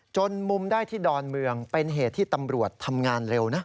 จนมุมได้ที่ดอนเมืองเป็นเหตุที่ตำรวจทำงานเร็วนะ